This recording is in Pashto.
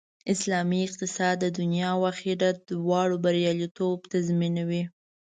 اسلامي اقتصاد د دنیا او آخرت دواړو بریالیتوب تضمینوي